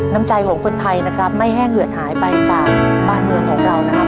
น้ำใจของคนไทยนะครับไม่แห้งเหือดหายไปจากบ้านเมืองของเรานะครับ